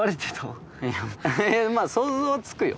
まぁ想像つくよ。